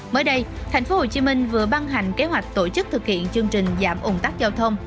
mới đây tp hcm vừa ban hành kế hoạch tổ chức thực hiện chương trình giảm ủng tắc giao thông